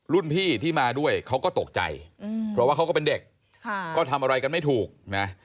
รุ่นพี่ที่มาด้วยเขาก็ตกใจเพราะว่าเขาก็เป็นเด็กก็ทำอะไรกันไม่ถูกนะ